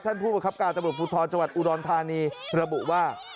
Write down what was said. ผู้ประคับการตำรวจภูทรจังหวัดอุดรธานีระบุว่า